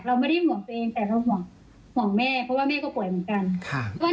เราไม่ได้ห่วงตัวเองแต่เราห่วงแม่เพราะว่าแม่ก็ป่วยเหมือนกัน